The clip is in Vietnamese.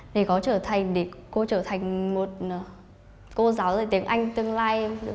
để có trở thành để cô trở thành một cô giáo dạy tiếng anh tương lai